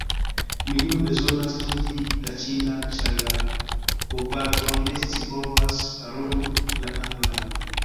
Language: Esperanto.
Mi nun bezonas studi la ĉinan ĉar la bopatroj ne scipovas paroli la anglan.